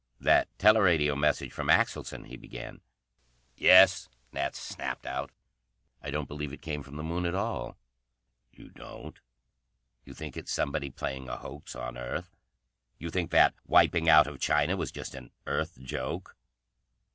"That teleradio message from Axelson " he began. "Yes?" Nat snapped out. "I don't believe it came from the Moon at all." "You don't? You think it's somebody playing a hoax on Earth? You think that wiping out of China was just an Earth joke?"